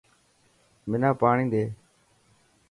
منا پاڻي ڏي.